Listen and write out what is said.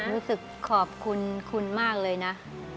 รู้สึกขอบคุณคุณมากเลยนะ